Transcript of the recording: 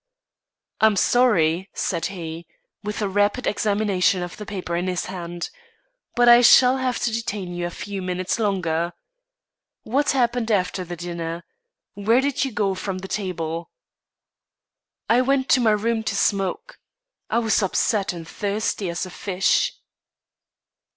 "I'm sorry," said he, with a rapid examination of the paper in his hand, "but I shall have to detain you a few minutes longer. What happened after the dinner? Where did you go from the table?" "I went to my room to smoke. I was upset and thirsty as a fish."